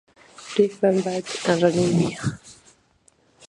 پرېکړې باید رڼې وي